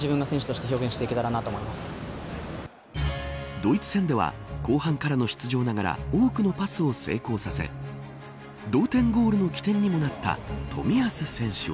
ドイツ戦では後半からの出場ながら多くのパスを成功させ同点ゴールの起点にもなった冨安選手は。